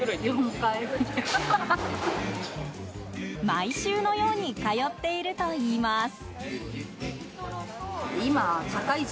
毎週のように通っているといいます。